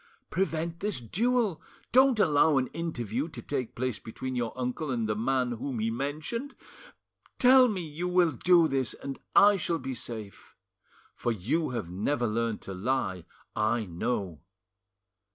"Prevent this duel; don't allow an interview to take place between your uncle and the man whom he mentioned. Tell me you will do this, and I shall be safe; for you have never learned to lie; I know."